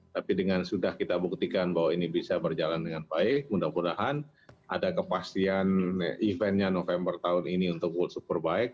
tapi dengan sudah kita buktikan bahwa ini bisa berjalan dengan baik mudah mudahan ada kepastian eventnya november tahun ini untuk world superbike